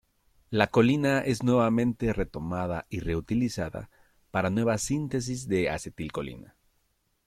La colina es nuevamente retomada y reutilizada para nueva síntesis de acetilcolina.